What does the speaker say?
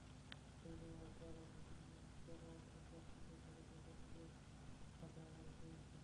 শরীরী ভাষায় পুরোনো আগ্রাসন, চোটের জড়তা কাটিয়ে মাঠে আবারও সেই ক্ষিপ্রতা।